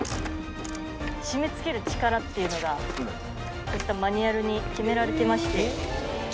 締めつける力っていうのが、こういったマニュアルに決められていまして。